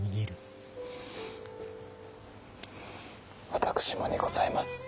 私もにございます上様。